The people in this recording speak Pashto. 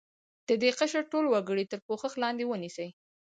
د دې قشر ټول وګړي تر پوښښ لاندې ونیسي.